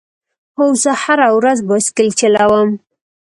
هو، زه هره ورځ بایسکل چلوم